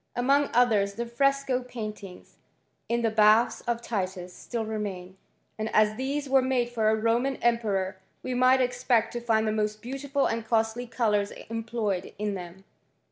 Among others the fresco pain in the baths of Titus, still remain ; and as liiese made for a Roman emperor, we might expect to the most beautiful and costly colours employed them.